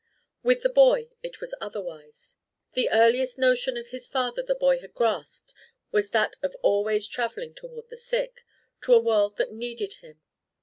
With the boy it was otherwise. The earliest notion of his father the boy had grasped was that of always travelling toward the sick to a world that needed him.